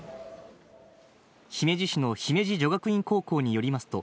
姫路市の姫路女学院高校によりますと、